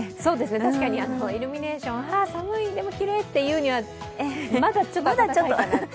確かに、イルミネーション、寒い、でもきれいって言うにはまだちょっと暖かいかな。